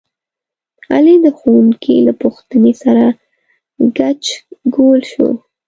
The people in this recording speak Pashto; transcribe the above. علي د ښوونکي له پوښتنې سره ګچ ګول شو.